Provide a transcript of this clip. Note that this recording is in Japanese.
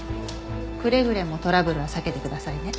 くれぐれもトラブルは避けてくださいね。